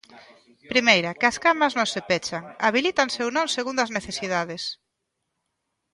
Primeira, que as camas non se pechan, habilítanse ou non segundo as necesidades.